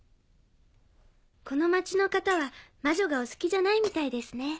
この町の方は魔女がお好きじゃないみたいですね。